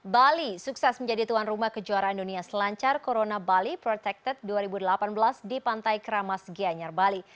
bali sukses menjadi tuan rumah kejuaraan dunia selancar corona bali protected dua ribu delapan belas di pantai kramas gianyar bali